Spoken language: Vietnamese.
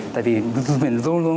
tại vì mình luôn luôn